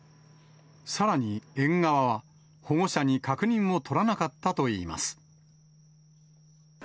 さらに、園側は、保護者に確認を取らなかったといいます。